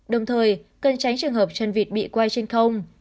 đồng thời cần tránh trường hợp chân vịt bị quay trên không